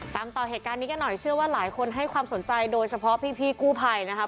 ต่อเหตุการณ์นี้กันหน่อยเชื่อว่าหลายคนให้ความสนใจโดยเฉพาะพี่กู้ภัยนะครับ